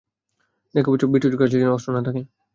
দেখে নিস, বিট্টুর কাছে যেনো অস্ত্র না থাকে।